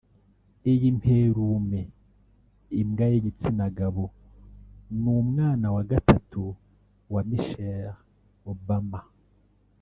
Iyi mperume (imbwa y’igitsina gabo) ni umwana wa gatatu wa Michelle Obama